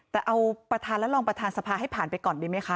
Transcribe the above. แต่เอาประธานและรองประธานสภาให้ผ่านไปก่อนดีไหมคะ